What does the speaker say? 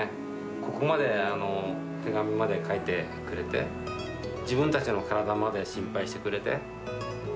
ここまで、手紙まで書いてくれて、自分たちの体まで心配してくれて。